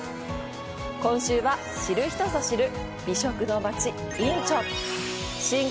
今週は、知る人ぞ知る美食の街・仁川。